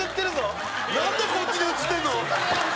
なんでこっちに映ってるの？